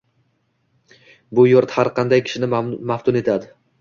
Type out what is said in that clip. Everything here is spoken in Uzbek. Bu yurt har qanday kishini maftun etadi